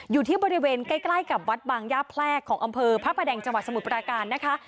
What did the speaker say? อยู่ที่บริเวณใกล้กับวัดบางย่าแพรกของอำเภอพระประแดงจังหวัดสมุทรปราการนะคะ